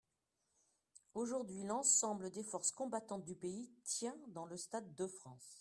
Aujourd’hui, l’ensemble des forces combattantes du pays tient dans le stade de France.